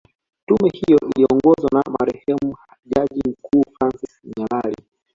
Tume hiyo iliongozwa na marehemu jaji mkuu Francis Nyalali